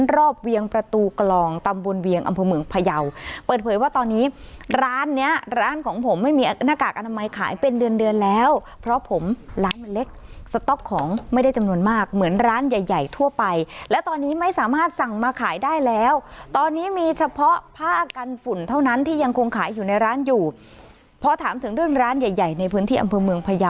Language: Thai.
รอบเวียงประตูกลองตำบลเวียงอำเภอเมืองพยาวเปิดเผยว่าตอนนี้ร้านเนี้ยร้านของผมไม่มีหน้ากากอนามัยขายเป็นเดือนเดือนแล้วเพราะผมร้านมันเล็กสต๊อกของไม่ได้จำนวนมากเหมือนร้านใหญ่ใหญ่ทั่วไปและตอนนี้ไม่สามารถสั่งมาขายได้แล้วตอนนี้มีเฉพาะผ้ากันฝุ่นเท่านั้นที่ยังคงขายอยู่ในร้านอยู่พอถามถึงเรื่องร้านใหญ่ใหญ่ในพื้นที่อำเภอเมืองพยาว